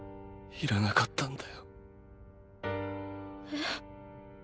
いらなかったんだ。